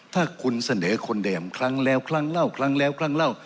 ถ้าคุณเสนอคนเดิมครั้งแล้วครั้งเล่าครั้งแล้วครั้งเล่า